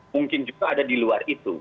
mungkin juga ada di luar itu